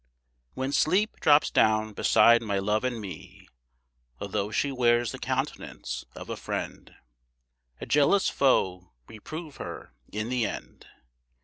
When sleep drops down beside my Love and me, Although she wears the countenance of a friend, A jealous foe we prove her in the end.